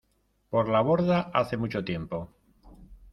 por la borda hace mucho tiempo.